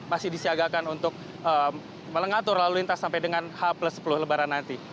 masih disiagakan untuk melengatur lalu lintas sampai dengan h sepuluh lebaran nanti